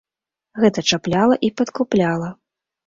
Гэта чапляла і падкупляла.